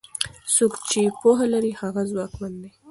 څوک چې پوهه لري هغه ځواکمن دی.